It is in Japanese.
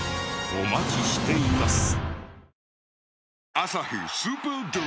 お待ちしています。